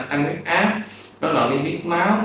tăng viết áp đó là viết máu